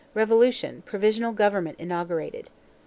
Revolution; provisional government inaugurated.